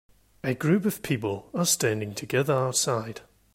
A group of people are standing together outside